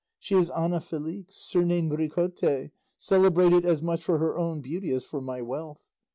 She is Ana Felix, surnamed Ricote, celebrated as much for her own beauty as for my wealth.